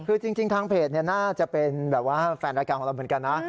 คือจริงทางเพจน่าจะเป็นแบบว่าแฟนรายการของเราเหมือนกันนะ